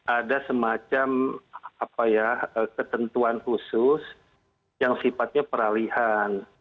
ada semacam ketentuan khusus yang sifatnya peralihan